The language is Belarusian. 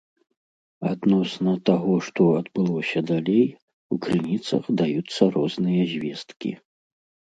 Адносна таго, што адбылося далей, у крыніцах даюцца розныя звесткі.